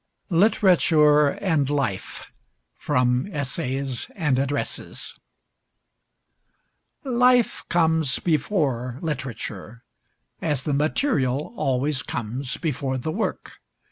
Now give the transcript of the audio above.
LITERATURE AND LIFE From 'Essays and Addresses' Life comes before literature, as the material always comes before the work.